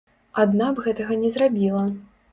Адна б гэтага не зрабіла.